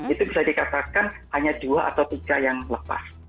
itu bisa dikatakan hanya dua atau tiga yang lepas